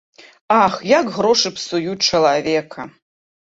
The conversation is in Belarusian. Ах, як грошы псуюць чалавека!